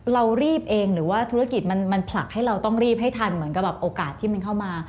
เรารีบเองหรือว่าธุรกิจมันผลักให้เราต้องรีบให้ทันเหมือนกับแบบโอกาสที่มันเข้ามา